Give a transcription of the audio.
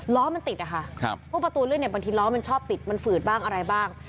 ล้อมันติดอะค่ะพวกประตูลื่นเนี่ยบางทีล้อมันชอบติดมันฝืดบ้างอะไรบ้าง